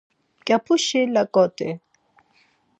Mǩapuşi laǩoti.